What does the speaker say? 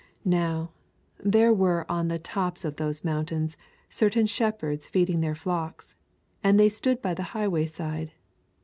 Now, there were on the tops of those mountains certain shepherds feeding their flocks, and they stood by the highway side.